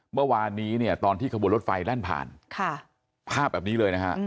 เมื่อวานนี้เนี่ยตอนที่ขบวนรถไฟแล่นผ่านภาพแบบนี้เลยนะฮะ